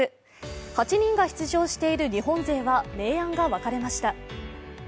８人が出場している日本勢は明暗が分かれました。